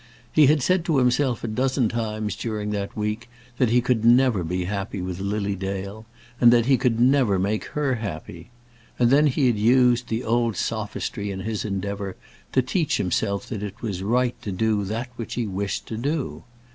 He had said to himself a dozen times during that week that he never could be happy with Lily Dale, and that he never could make her happy. And then he had used the old sophistry in his endeavour to teach himself that it was right to do that which he wished to do.